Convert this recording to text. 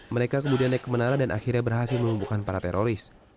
mereka kemudian naik ke menara dan akhirnya berhasil melumpuhkan para teroris